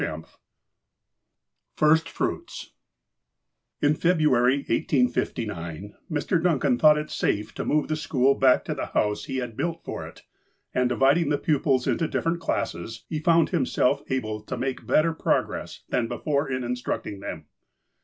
XIX FIRST FRUITS IN February, 1859, Mr. Diincau thought it safe to move the school back to the house he had built for it, and, dividing the pupils into different classes, he found himself able to make better progress than before in instructing them.